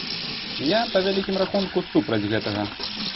Я, па вялікім рахунку, супраць гэтага.